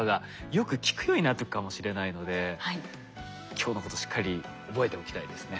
今日のことしっかり覚えておきたいですね。